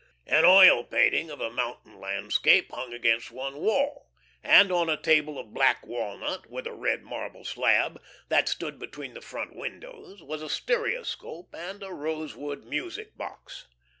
An oil painting of a mountain landscape hung against one wall; and on a table of black walnut, with a red marble slab, that stood between the front windows, were a stereoscope and a rosewood music box.